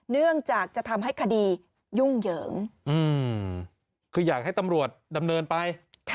เนื่องจากจะทำให้คดียุ่งเหยิงคืออยากให้ตำรวจดำเนินไป